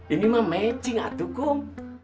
ini mah mecing atukum